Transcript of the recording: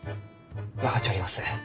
分かっちょります。